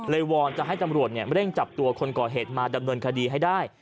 วอนจะให้ตำรวจเร่งจับตัวคนก่อเหตุมาดำเนินคดีให้ได้